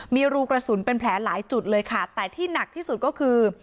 มีรูกระสุนเป็นแผลหลายจุดเลยค่ะแต่ที่หนักที่สุดก็คือ